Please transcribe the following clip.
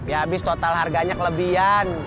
ya habis total harganya kelebihan